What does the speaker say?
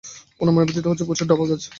অনুমানের ভিত্তি হচ্ছে গ্রামে প্রচুর ডাব গাছ।